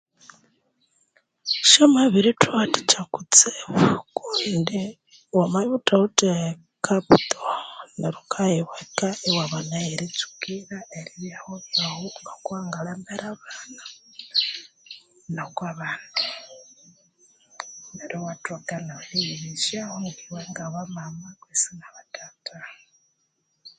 Syamabirithuwathikya kutsibu kundi wamabya ghuthawithe kapito neru ghukayibweka iwabana aheritsukira eribyahu lyaghi ngoko wangalembera abana nokwa bandi neru wathoka neriyibesyaho nga bamama kwisi nga bathatha